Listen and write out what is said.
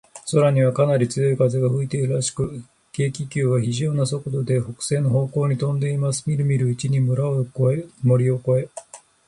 空には、かなり強い風が吹いているらしく、軽気球は、ひじょうな速度で、北西の方向にとんでいます。みるみるうちに村を越え、森を越え、